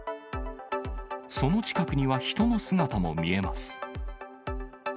その近くには人の姿も見えます。